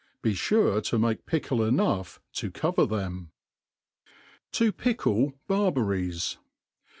Se fure to make pickle enough to cover theni. To pickle Barberries.